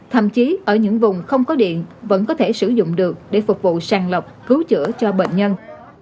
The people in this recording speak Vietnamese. thậm chí ở những vùng không có điện vẫn có thể sử dụng được để phục vụ sàng lọc cứu chữa cho bệnh nhân